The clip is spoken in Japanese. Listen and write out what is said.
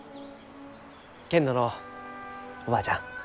けんどのうおばあちゃん。